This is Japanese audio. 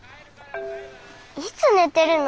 いつ寝てるの？